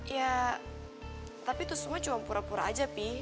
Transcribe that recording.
ya tapi itu cuma pura pura aja pi